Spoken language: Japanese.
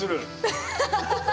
アハハハハ！